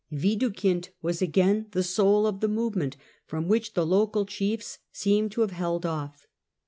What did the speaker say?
Widukind was again the soul of the movement, from which the local chiefs seem to have held off.